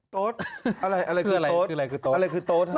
โต๊ดอะไรคือโต๊ด